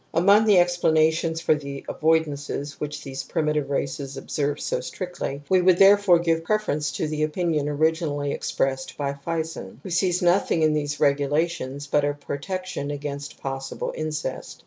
Among the explanations for the ' avoidances ' which these primitive races observe so strictly, we would therefore give preference to the opinion origin 28 TOTEM AND TABOO ally expressed by Fison, who sees nothing in • these regulations but a protection against ^ possible incest.